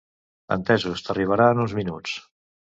Entesos, t'arribarà en uns minuts.